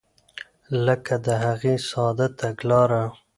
لکه د هغې ساده تګلاره.